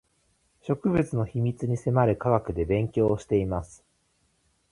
植物の秘密に迫る学科で勉強をしています